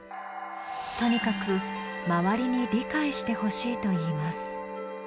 とにかく周りに理解してほしいといいます。